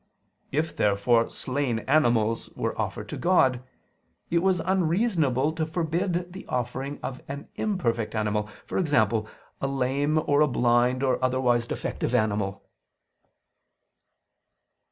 If therefore slain animals were offered to God, it was unreasonable to forbid the offering of an imperfect animal, e.g. a lame, or a blind, or otherwise defective animal.